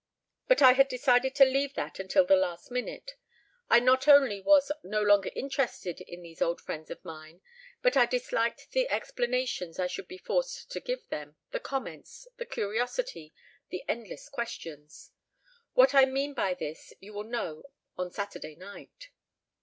But I had decided to leave that until the last minute. I not only was no longer interested in these old friends of mine, but I disliked the explanations I should be forced to give them, the comments, the curiosity, the endless questions. What I mean by this you will know on Saturday night.